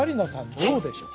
どうでしょう？